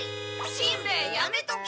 しんべヱやめとけ！